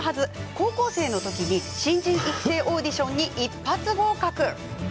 高校生の時に新人育成オーディションに一発合格。